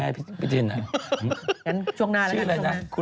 แต่คุณไม่ต้องเล่านะ